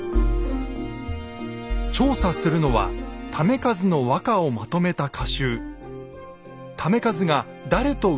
調査するのは為和の和歌をまとめた歌集。